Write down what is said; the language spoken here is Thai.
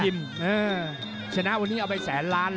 ให้อุ่นเหรอในนี้เอาไปแสนล้าน